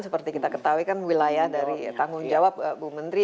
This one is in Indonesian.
seperti kita ketahui kan wilayah dari tanggung jawab bu menteri